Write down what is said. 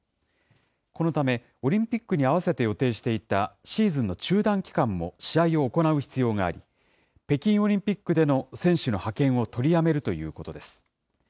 このため、オリンピックに合わせて予定していたシーズンの中断期間も試合を行う必要があり、北京オリンピックでの選手の派遣を取りやめるということです。